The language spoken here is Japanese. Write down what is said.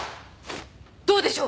どうでしょう？